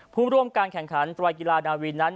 ผู้ร่วมการแข่งขันไตรกีฬานาวินนั้น